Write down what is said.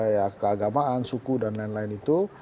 ya keagamaan suku dan lain lain itu